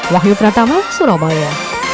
wahyu pratama surabaya